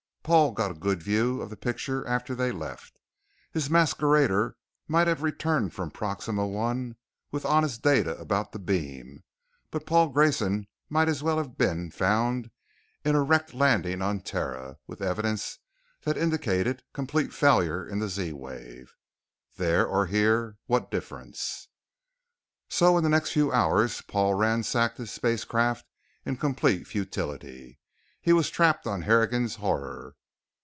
Paul got a good view of the picture after they left. His masquerader might have returned from Proxima I with honest data about the beam, but Paul Grayson might as well have been found in a wrecked landing on Terra with evidence that indicated complete failure in the Z wave. There or here what difference? So in the next few hours Paul ransacked his spacecraft in complete futility. He was trapped on Harrigan's Horror.